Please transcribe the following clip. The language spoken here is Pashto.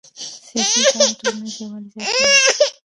سیاسي زغم ټولنیز یووالی زیاتوي